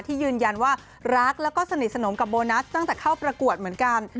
ยืนยันว่ารักแล้วก็สนิทสนมกับโบนัสตั้งแต่เข้าประกวดเหมือนกัน